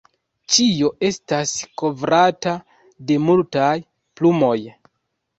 Ĉio estas kovrata de multaj plumoj.